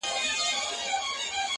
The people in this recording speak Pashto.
واری د تېراه دی ورپسې مو خیبرونه دي!!